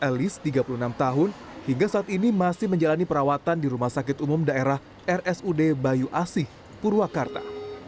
elis tiga puluh enam tahun hingga saat ini masih menjalani perawatan di rumah sakit umum daerah rsud bayu asih purwakarta